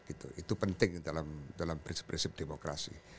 itu penting dalam prinsip prinsip demokrasi